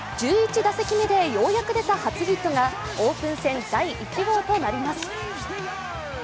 １１打席目でようやく出た初ヒットがオープン戦第１号となります。